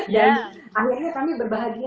dan akhirnya kami berbahagia